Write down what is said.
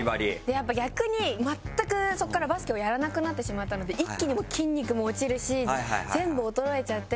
やっぱ逆に全くそこからバスケをやらなくなってしまったので一気に筋肉も落ちるし全部衰えちゃって。